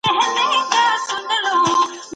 خلک ورته غوږ ږدي او خوند ترې اخلي.